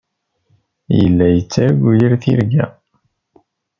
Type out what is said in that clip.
Yella yettargu yir tirga.